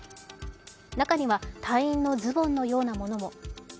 中には隊員のズボンのようなものも。